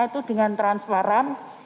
itu dengan transparan